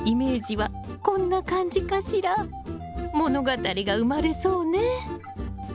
物語が生まれそうね！